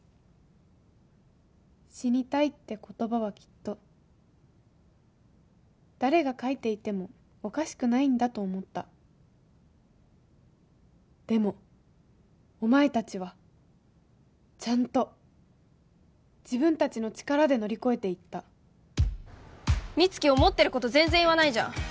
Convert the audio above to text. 「死にたい」って言葉はきっと誰が書いていてもおかしくないんだと思ったでもお前達はちゃんと自分達の力で乗り越えていった美月思ってること全然言わないじゃん